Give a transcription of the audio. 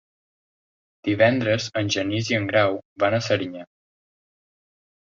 Divendres en Genís i en Grau van a Serinyà.